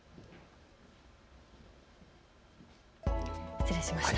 失礼しました。